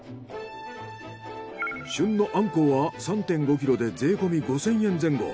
旬のあんこうは３．５ｋｇで税込み５，０００円前後。